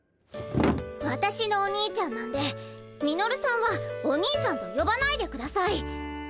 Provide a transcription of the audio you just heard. わたしのお兄ちゃんなんでミノルさんはお兄さんとよばないでください。